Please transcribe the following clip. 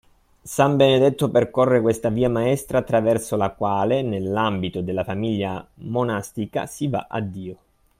San Benedetto percorre questa via maestra attraverso la quale, nell'ambito della famiglia monastica, si va a Dio.